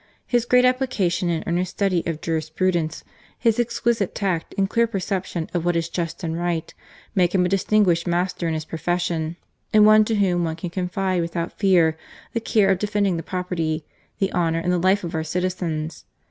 His great appHcation and earnest study of jurisprudence, his exquisite tact and clear perception of what is just and right, make him a distinguished master in his profession, and one to whom one can confide without fear the care of defending the property, the honour, and the life of our citizens.